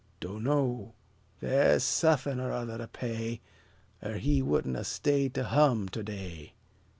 "Do'no': the's suthin' ur other to pay, Ur he wouldn't 'a' stayed to hum to day."